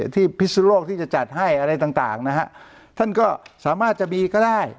พิสุโลกที่จะจัดให้อะไรต่างนะฮะท่านก็สามารถจะมีก็ได้